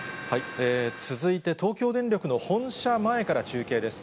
続いて、東京電力の本社前から中継です。